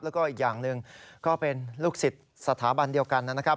แล้วก็อีกอย่างหนึ่งก็เป็นลูกศิษย์สถาบันเดียวกันนะครับ